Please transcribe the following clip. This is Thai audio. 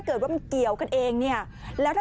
สุดยอดดีแล้วล่ะ